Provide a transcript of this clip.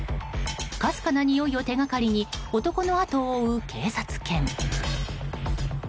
かすかなにおいを手掛かりに男の後を追う警察犬。